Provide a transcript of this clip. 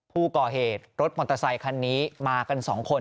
ผู้ก่อเหตุรถมอเตอร์ไซคันนี้มากัน๒คน